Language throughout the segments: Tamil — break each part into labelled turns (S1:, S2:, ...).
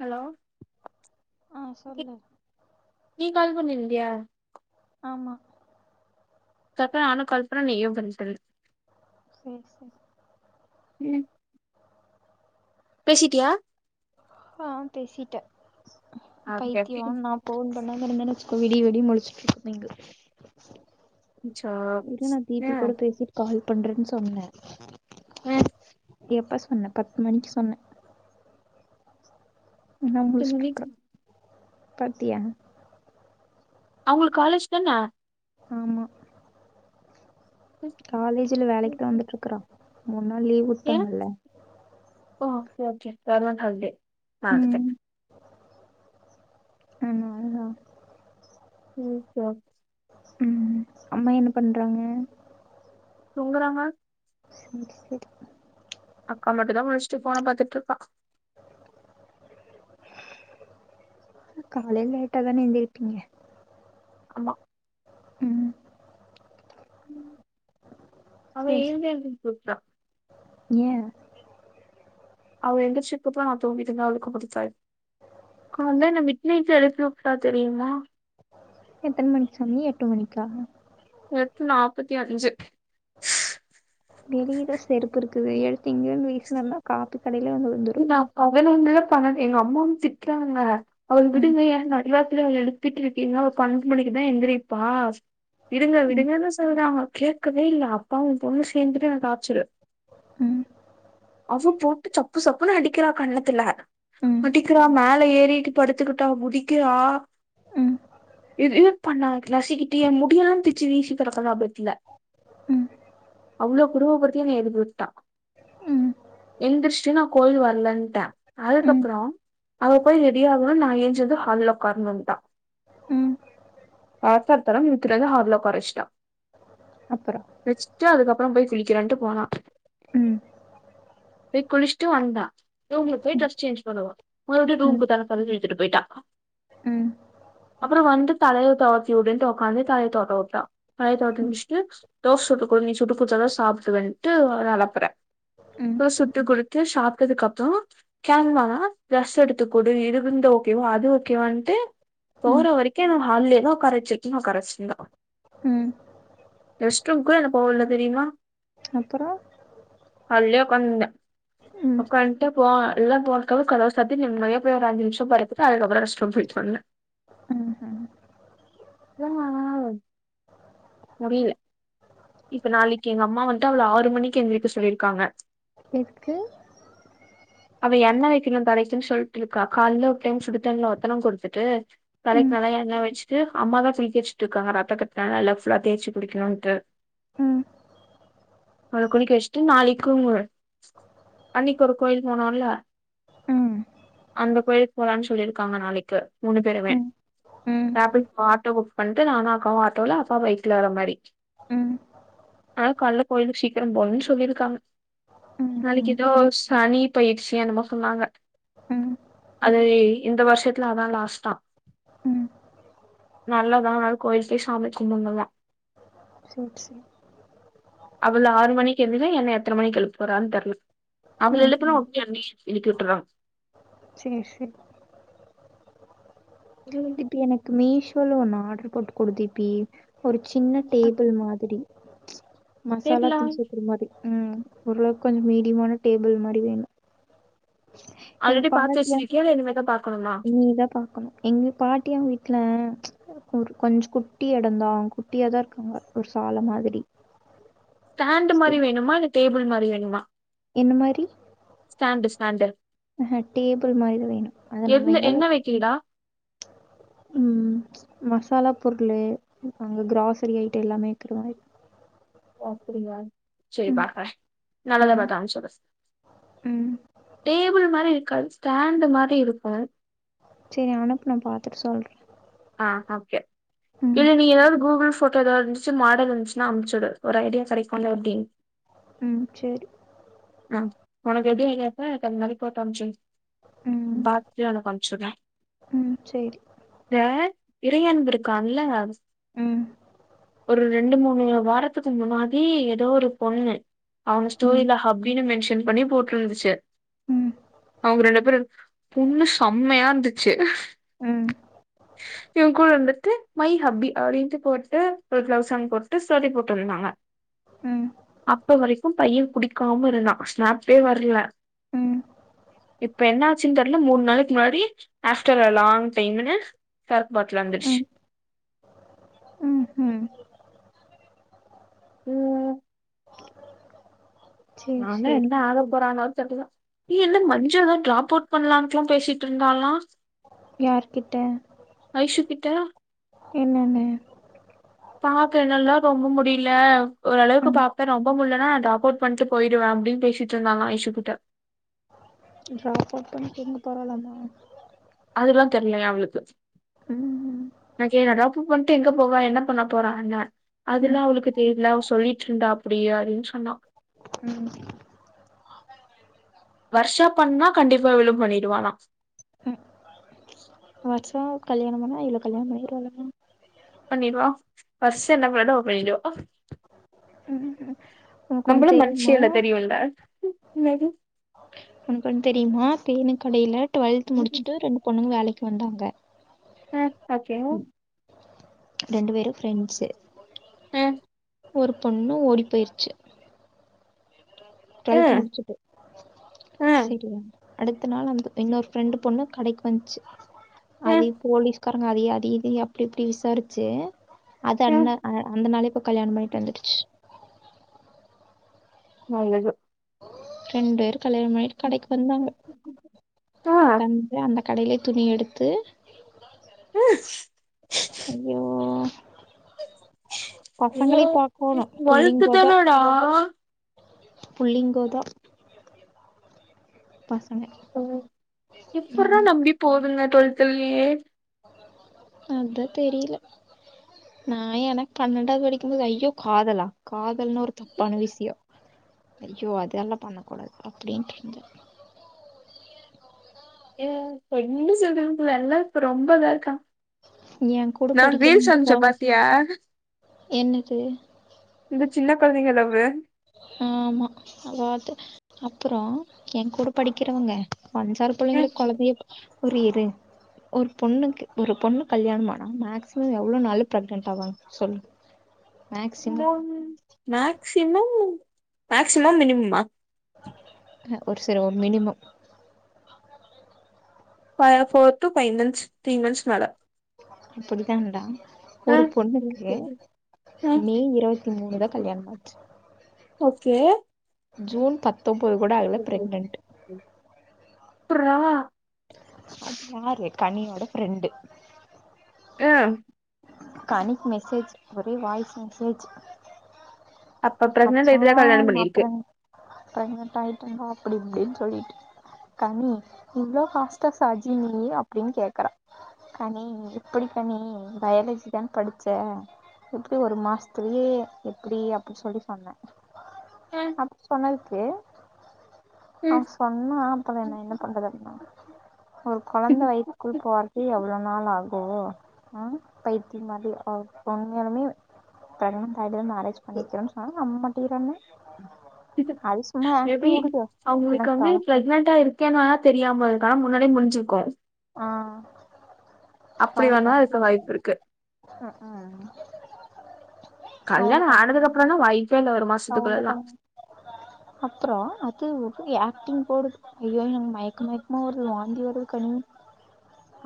S1: ஹலோ
S2: ஆ
S1: நீ
S2: சொல்லு
S1: நீ கால் பண்ணிருந்தியா
S2: ஆமா
S1: சக்க நானு கால்பன்னா நீயே பதில் சொல்லு
S2: சேர் சே
S1: ம் பேசிட்டியா
S2: ஆ பேசிட்ட
S1: ஓகே அச்சோ
S2: பைத்தியவாண்டாம் ஃபோன் பண்ணாம இருந்தனு வச்சுக்கோ விடிய விடிய முழிச்சுட்டு இருக்க இங்கு இரு நா
S1: ஆ
S2: தீபிக் கூட பேசிட்டு கால் பண்றன் சொன்ன
S1: ம்
S2: எப்ப சொன்ன பத்து மணிக்கு சொன்ன இன்ன
S1: சரி, நீ-
S2: முழிச்சிட்ருக்குற சாப்டியா
S1: அவுங்களுக்கு காலேஜ் தான
S2: ஆமா காலேஜ்ல வேலைக்குதா வந்துட்டு இருக்குறா மூணு நாள் லீவ்
S1: ஏ
S2: உட்டாங்கல்ல
S1: ஓ ஓகே ஓகே சம்மர் ஹாலிடே மறந்துட்ட
S2: [unintelligible]
S1: ம் ச
S2: ம் அம்மா என்ன பண்றாங்க
S1: தூங்கறாங்க
S2: சேரி சேரி
S1: அக்கா மட்டு தா முழிச்சுட்டு ஃபோன பாத்துட்டு இருக்கா
S2: காலைல லேட்டா தான எந்திருப்பீங்க
S1: ஆமா
S2: ம்
S1: அவ
S2: சேரி சேரி
S1: எழுந்து [unintelligible]
S2: ஏ
S1: அவ எந்திச்சக்கப்றோ நா தூங்கிட்டு இருந்தா அவளுக்கு புடிக்காது கால்ல என்ன மிட் நைட்ல எழுப்பிவுட்டா தெரியுமா
S2: எத்தன மணிக்கு சொன்னே எட்டு மணிக்கா
S1: எட்டு நாப்பத்தி அஞ்சு
S2: வெளியேதா செருப்பு இருக்கு எடுத்து இங்க இருந்து வீசனனா காத்து கடையிலே வந்து விழுந்துடு
S1: நா பதனொன்ற பன்னென்டு எங்க அம்மாவு திட்றாங்க அவள
S2: ம்
S1: விடுங்க ஏ நடுராத்திரில அவ எடு ட்டு இருக்கீங்கன்னா அவ பன்னெண்டு மணிக்கு தா எந்திரிப்பா விடுங்க
S2: ம்
S1: விடுங்கன்னு சொல்றாங்க கேட்கவே இல்லை அப்பாவும் பொண்ணு சேந்துட்டு என்ன டார்ச்சரு
S2: ம்
S1: அவ போட்டு சப்பு சப்புன்னு அடிக்கிற கண்ணத்துல
S2: ம்
S1: அடிக்குறா மேல ஏறிட்டு படுத்துக்கிட்டா முடிக்கிறா இது இது பண்ணாங்கல நசீக்கிட்டு எ முடியலா பிச்சு வீசீ கெடக்கறா பெட்ல
S2: ம்
S1: அவ்ளோ கொடும படுத்தி என்ன எழுப்பிவிட்டா
S2: ம்
S1: எந்திரிச்ச்டு நா கோயில் வரலன்ட்ட
S2: ம் ம்
S1: அதுக்கப்புறோ அவ போய் ரெடி ஆகணு நா ஏஞ்சி வந்து ஹால்ல உக்கரணுட்டா
S2: ம்
S1: தரத்தரத்தரனு இழுத்துட்டு வந்து ஹால்ல உக்கார வச்சுட்டா
S2: அப்றோ
S1: வெச்சுட்டு அதுக்கப்புறோ போய் குளிக்கிறன்ட்டு போனா
S2: ம்
S1: போய் குளிச் சுட்டு வந்தா ரூம்ல போய்
S2: ம்
S1: டிரஸ் சேஞ்சு பண்ணுவா மறுபடியு
S2: ம்
S1: ரூம்க்கு தரத்தரனு இழுத்துட்டு போயிட்டா
S2: ம்
S1: [inaudible] அப்புறோ வந்து தலைய தோவத்தி உடுட்டு உக்காந்து தலைய தோட்ட உட்டா தலைய தோட்டி
S2: ம்
S1: முடிச்சிட்டு தோச சுட்டு குடு நீ சுட்டு குடுத்த தா சாப்ட்டு வன்ட்டு ஒரு அளப்பற
S2: ம்
S1: போய் சுட்டு குடுத் த்து சாப்ட்டதுக்கு அப்புறோ கெளம்பனா ட்ரெஸ் எடுத்துக்குடு இருதுந்த ஓகேவா அது ஓகேவான்ட்டு போற
S2: ம்
S1: வரைக்கு என்ன ஹால்லேதா உக்கார வச்சிருக்கீ உக்கார வச்சிருந்தா
S2: ம்
S1: ரெஸ்ட் ரூம்கு என்ன போ உடல தெரியுமா
S2: அப்புறம்
S1: ஹால்லயே உகாகாந்துருந்த
S2: ம்
S1: உக்காந் ட்டு போ எல்லா போனதுகப் கதவ சாத்திடு நிம்மதியா போய் ஒரு அஞ்சு நிம்ஷோ படுத்துட்டு அதுக்கப்றோ ரெஷ்ட் ரூம் போயிட்டு வந்த
S2: ம்ஹும்
S1: [unintelligible] முடில இப்ப நாளைக்கு எங்க அம்மா வந்துட்டு அவள ஆறு மணிக்கு எழுந்திரிக்க சொல்லியிருக்காங்க
S2: எதுக்கு
S1: [inaudible] அவ எண்ணெ வக்கணுன் தலைக்கு சொல்ட்டு இருக்கா கால்ல ஒரு டைம் சுடு தண்ணில ஒத்தன குடுத்துட்டு தலைக்கு
S2: ம்
S1: நல்லா எண்ணெய வச்சிட்டு அம்மா தான் குளிக்கவச்சுட்டு இருக்கங்க ரத்தக்கட்னால எல்லா ஃபுல்லா தேச்சி குளிக்கணுன்ட்டு
S2: ம்
S1: அது குளிக்க வச்சுட்டு நாளைக்கு அன்னைக்கு ஒரு கோவில் போனோல
S2: ம்
S1: அந்த கோயிலுக்கு போலான் சொல்லிருக்காங்க நாளைக்கு மூணு பேருமே
S2: ம் ம்
S1: அவளுக்கு ஆட்டோ புக் பண்ட்டு நானு அக்காவு ஆட்டோல அப்பா பைக்ல வர மாரி
S2: ம்
S1: அதா காலைல கோயிலுக்கு சீக்கிர போணுன் சொல்லிருக்காங்க
S2: ம்
S1: நாளைக்கு
S2: ம்
S1: ஏதோ சனி பயிற்சி என்னமோ சொன்னாங்க
S2: ம்
S1: அது இந்த வருஷத்துல அதா லாஸ்ட்டா
S2: ம்
S1: நல்லதா அது கோயிலுக்கு போய் சாமி கும்பிட்னுமா
S2: செ ர் செ ரி
S1: அவள ஆறு மணிக்கு எந்திரி என்ன எத்த மணிக்கு எழுப்ப போறான் தெர்ல அவள
S2: ம்
S1: எழுப்புனா
S2: ம்
S1: ஓகேயாமே எழுப்பி விட்டுர்றா
S2: செர் செர்
S1: ம்
S2: எனக்கு மீஷோல ஒன்னு ஆர்டர் போட்டு குடு தீபி ஒரு சின்ன டேபிள் மாதிரி மசாலா
S1: டேபிளா
S2: திங்ஸ் வைக்கிற மாதிரி ம் ஓரளவுக்கு கொஞ்சோ மீடியமான டேபிள் மாதிரி வேணு எங்க
S1: ஆல்ரெடி பாத்து
S2: பாட்டியா
S1: வச்சிருக்கியா இல்ல இனிமேதா பாக்கணுமா
S2: நீதா பாக்கணு எங்க பாட்டியா வீட்ல ஒரு கொஞ்சோ குட்டி எடந்தா அவங்க குட்டியாதா இருக்காங்க ஒரு சால மாதிரி
S1: ஸ்டாண்ட் மாரி
S2: செரி
S1: வேணுமா இல்ல டேபிள் மாரி வேணுமா
S2: என்ன மாரி
S1: ஸ்டாண்ட்டு ஸ்டாண்ட்டு
S2: ஆஹ டேபிள் மாரிதா வேணு அத நம்ம எங்காது
S1: கீ டா
S2: ம் மசாலா பொருளு அங்க கிராசரி ஐட்ட எல்லாமே வக்குற மாரி
S1: அப்டியா செரி
S2: ம்
S1: பாக்குற நல்லதா
S2: ம்
S1: பாத்து அனுப்புச்சி விட்ர
S2: ம்
S1: டேபிள் மாரி இருக்காது ஸ்டாண்டு் மாரி இருக்கு
S2: செரி அனுப்பு நா பாத்துட்டு சொல்ற
S1: ஆ ஓகே இல்ல நீ எதாவது கூூகுள் ஃபோட்டோ எதாவது ச்சு மாடல் இருந்ச்சுனா அனுப்ச்சுடு ஒரு ஐடியா கெடைக்குல எப்டின்
S2: ம் செரி
S1: ஆ உனக்கு எப்டி ஐடியா இருக்கோ எனக்கு அது மாரி ஃபோட்டோ அனுப்ச்சுவிடு
S2: ம்
S1: பாத்துட்டு உனக்கு அனுப்ச்சுவிடுற
S2: ம் செரி
S1: ந்த இறையன்பு இருக்கான்ல
S2: ம்
S1: ஒரு ரெண்டு மூணு வாரத்துக்கு முன்னாடி எதோ ஒரு பொண்ணு அவ
S2: ம்
S1: ஸ்டோரில ஹப் அப்டின் மென்ஷன் பண்ணி போட்ருந்துச்சு
S2: ம்
S1: அவங்க ரெண்டு பேரு பொண்ணு செம்மையா இருந்துச்சு
S2: ம்
S1: இவ கூட வந்துட்டு மை ஹப்பி அப்டின்ட்டு போட்டு ஒரு பிலவ் சாங் போட்டு ஸ்டோரி போட்ருந்தாங்க
S2: ம்
S1: அப்ப வரைக்கும் பைய புடிக்காம இருநா மேப்பே வர்ல
S2: ம்
S1: இப்ப என்னாச்சுன் தெர் நல்ல மூண் நாளைக்கி முன்னாடி ஆஃப்டர்ரெ லாங் டைமுன்னு சரக் பாட்ல் வந்துர்ச்
S2: ம் ம் ஹும்
S1: அ
S2: சேரி
S1: நானா
S2: சேரி
S1: என்ன ஆக போறான்னோ தெர்ல ஏ என்ன மஞ்சள்ளா ட்ராப் அவுட் பண்லான்க்லா பேசிட்ருந்தாலா
S2: யார்கிட்ட
S1: ஐஷு கிட்ட
S2: என்னன்னு
S1: பாக்ற நல்லா ரொம்ப முடில ஓர் அளவுக்கு
S2: ம்
S1: பாப்பே ரொம்ப முட்லன்னா நா ட்ராக் அவுட் பண்ட்டு போய்டுவ அப்டின் பேசிட்ருந்தாலா ஐஷு கிட்ட
S2: ட்ராப் அவுட் பன் இருங்க பரவால்ல அதா
S1: அதுல்லா தெர்லையா அவளுக்கு
S2: ம் ம்
S1: நா கேடா ட்ராப் உ பண்ட்டு எங்க போவ என்ன பண்ண போறா ன அதெல்லா
S2: ம்
S1: அவளுக்கு தெரில அவ் சொல்லிட்ருந்தாப் டியாடின் சொன்னா
S2: ம்
S1: வர்ஷா பண்ணா கண்டிப்பா விளு பண்ணிடுவளா
S2: ம் வர்ஷாவ் கல்யாணம் பண்ணா இவளு கல்யாண பண்ணிக்கிராளாமா
S1: பண்ணிட்வா வர்சு என்ன பன்டோ [unintelligible]
S2: ம் ம் உனக்கு ஒன்னு
S1: நம்பளு
S2: தெரியுமா
S1: மன்ஷியல்ல தெரியுல்ல
S2: உனக் ஒண் தெரியுமா பேனு கடையால டுவெல்த் முடிச்சுட்டு ரெண்டு பொண்ணுங்க வேலைக் வந்தாங்க
S1: ஆ ஆகேவ்
S2: ரெண்டு வேரு ஃப்ரெண்ஸே
S1: அ
S2: ஒரு பொண்ணு ஓடி போய்ர்ச்சு
S1: அ
S2: ட்வெல்த் முடிச்சுட்டு
S1: அ
S2: செரியா அடுத்த நாள் அந்த இன்னொரு ஃப்ரெண்டு பொண்ணு கடைக்கு வந்ச்சு
S1: அ
S2: அதே போலீஸ்காரங்க அதையே அதி இதி அப்டி இப்டி விசாரிச்சே அது அண்ண அ அந்த நாளே இப்ப கல்யாணம் பண்ணிட்டு வந்துடுச்
S1: நல்லது
S2: ரெண்ட் வேர் கல்யாண பண்ணிட் கடைக்கு வந்தாங்க
S1: ஆ
S2: தன் ஏ அந்த கடைய்லே துணி எடுத்து
S1: ஹ [unintelligible]
S2: ஐய்யோ பசங்களைய் பாக்கோணு புள்ளிங்கோதா
S1: லா
S2: புள்ளிங்கோதா பசங்க
S1: எப்பர்ரா
S2: ம்,
S1: நம்பி போதுங்க ட்வல்துல்யே
S2: அத்தா தெரில நா எனக் பன்னெண்டாவ் படிக்கும்போது ஐய்யோ காதலா காதல்னா ஒரு தப்பான விஸ்யோ ஐயோ அதெல்லா பண்ணக்க கூடாது அப்டின்ட்ருந்தே
S1: ஏ ஒன்னு சொல்றதுக்கில்ல எல்லா ப்ப ரொம்ப வேர்க்கா
S2: என் கூட
S1: நா
S2: படிக்கிற
S1: ரீல்ஸ் அம்ச்சே
S2: முக்காவாசி
S1: பாத்தியா
S2: என்னது
S1: இது சின்ன கொழந்தைங்க லவ்வு
S2: ஆமா அதாது அப்புறோ என் கூட படிக்கிறவங்க வஞ்சாறு பிள்ளைங்களுக் கொழந்தையேப் புரியிரு ஒர் பொண்ணுக்கு ஒரு பொண்ணு கல்யாண்மானா மேக்ஸிமு எவ்ளோ நாள் ப்ரெக்னெட் ஆவாங் சொல்லு மேக்சிமம்
S1: மேக்சிமம் மேக்சிம்மம் மினிமம்மா
S2: அ ஒரு சரி ஒரு minimum
S1: fourth five months three months மேல
S2: அப்டிதான்டா
S1: அ
S2: ஒரு பொண்ணுக்கு
S1: அ
S2: மே இருவத்தி மூணு தா கல்யாணமாச்சு
S1: ஓகே
S2: ஜூன் பத்
S1: எப்புட்ரா
S2: அது யாரு கனியோட ஃப்ரெண்டு
S1: அ
S2: கனிக்கு மெசேஜ் ஒரே வாய்ஸ் மெசேஜ்
S1: அப்ப பிரெக்னன்ட்
S2: மச்சா
S1: இதுல கல்யாணம்
S2: நா
S1: பண்ணிருக்கு
S2: ப்ரெக்னன்ட் ஆயிட்டேன்டா அப்டி இப்டின்னு சொல்லிட்டு கனி இவ்ளோ பாஸ்டா சாஜி நீ அப்டின்னு கேக்குற கனி எப்டி கனி பயாலஜி தான படிச்ச எப்டி ஒரு மாசத்துலயே எப்டி அப்டி சொல்லி சொல் ஆமா
S1: ம்,
S2: அப்ப சொன்னதுக்கு நா
S1: ம்.
S2: சொன்னா அப்றோ நா என்ன பண்றதுண்ணா ஒரு கொழந்த வயித்துக்குள்ள போறது எவ்வளோ நாள் ஆகு ஓ அ பைத்தியோமாரி உண்மையாலுமே ப்ரெக்னெட் ஆய்டுவ மேரேஜ் பண்ணக்கின்னு சொன்னா நம்பமாடேங்குற என்ன
S1: மேபி அவுங்களுக்கு
S2: எனக்கு
S1: வந்து
S2: தல
S1: ப்ரெக்னன்டா இருக்க கேனா தெரியாம இருக்கு ஆனா முன்னாடியே முடிஞ்சுருக்கு
S2: அ சவுண்டு
S1: வேணா
S2: கம்மியா
S1: இருக்க வாய்ப்பு இருக்கு
S2: அ
S1: கல்யணோ ஆனதுக்கு அப்றோனா வாய்ப்பே இல்ல ஒருமாசத்
S2: சவுண்டு கம்
S1: [inaudible]
S2: அப்றோ அது ஒரு ஆக்டிங் போடுது ஐயோ எனக்கு மயக்க மயக்கமா வருது வாந்தி வருது கனி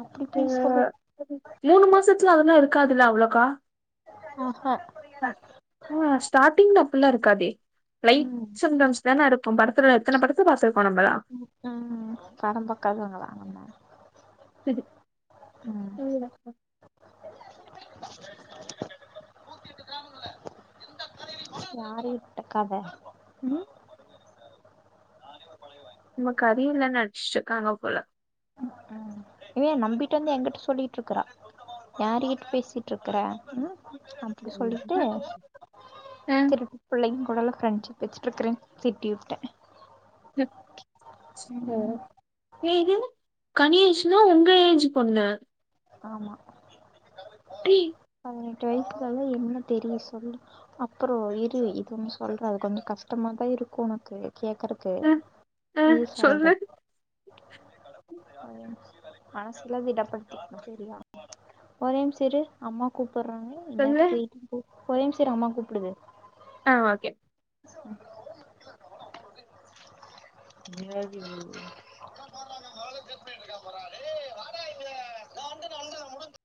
S2: அப்டி
S1: அ
S2: இப்டி சொல்லு
S1: மூணு மாசச்சத்துல அதெல்லா இருக்காதுல்ல அவ்ளோக்கா
S2: ஆ ஹ
S1: அ ஸ்டாடிங்ல்ல அப்படியெல்லா இருக்காதே லைட்
S2: ம்
S1: சிம்டம்ஸ் தான இருக்கு படத்துல எத்தன படத்துல பாத்திருக்கோ நம்மள
S2: ம் படோ பாக்காதவங்ளா நம்ம ம்
S1: [unintelligible]
S2: யாரு விட்டக்கத ம்
S1: நமக்கு அறிவு இல்லன்னு நெனச்சிட்டு இருக்காங்க போல
S2: இவ நம்பிட்டு வந்து எங்கிட்ட சொல்லிட்டு இருக்குறா யார்கிட்ட பேசிட்டு இருக்ற ம் அப்டி சொல்லிட்டு
S1: ஆ ம்.
S2: திரு புள்ளைங்க கூடல்லா ஃப்ரெண்டஷிப் வச்சட்டுருக்குறே திட்டி வுட்டே
S1: ம்
S2: ம்
S1: ஏய் இரு கனி ஏஜ்ன்ன உங்க ஏஜ் பொண்ணு
S2: ஆமா
S1: தீ
S2: பதினெட்டு வயசுக்கல்லா என்ன தெரியு சொல்லு அப்புறோ இரு இது ஒன்னு சொல்ற அது கொஞ்சோ கஷ்டமா தா இருக்கு ஒனக்கு கேக்குறதுக்கு
S1: ஆ ஆ
S2: ஓ நீ
S1: சொல்லு
S2: [unintelligible] அதான் சொல் மனசுல விடப்பட்டத்து தெரியாம ஒரே நிமிசோ இரு அம்மா கூப்பர்றாங்க
S1: சொல்லு
S2: என்னாதுக்கு வெயிட் ஒரே நிமிசே இரு அம்மா கூப்புடுது
S1: ஆ ஓகே
S2: நீவாது இது [unintelligible]
S1: [inaudible]